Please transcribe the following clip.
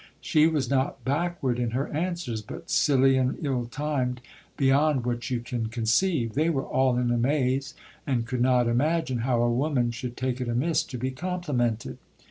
She was not backward in her answers ; but silly and ill timed, beyond what you can conceive. They were all in amaze, and could not imagine how a woman should take it amiss to be complimented.